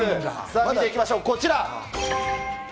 さあ、見ていきましょう、こちら。